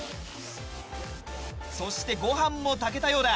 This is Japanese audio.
そしてご飯も炊けたようだ。